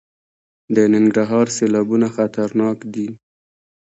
د ننګرهار سیلابونه خطرناک دي